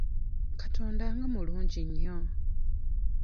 Katonda nga mulungi nnyo!